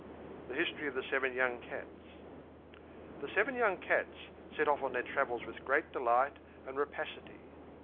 THE HISTORY OF THE SEVEN YOUNG CATS. The seven young Cats set off on their travels with great delight and rapacity.